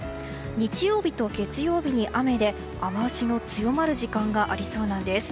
日曜日と月曜日に雨で雨脚の強まる時間がありそうなんです。